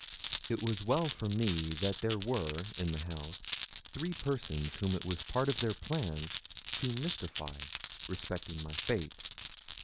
It was well for me that there were in the house three persons whom it was part of their plan to mystify respecting my fate.